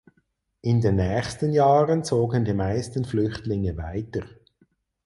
In den nächsten Jahren zogen die meisten Flüchtlinge weiter.